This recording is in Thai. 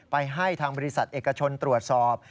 ให้ทางบริษัทเอกชนตรวจสอบ